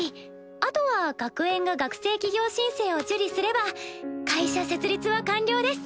あとは学園が学生起業申請を受理すれば会社設立は完了です。